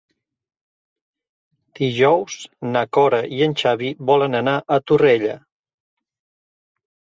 Dijous na Cora i en Xavi volen anar a Torrella.